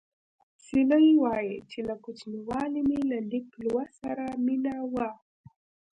سیلۍ وايي چې له کوچنیوالي مې له لیک لوست سره مینه وه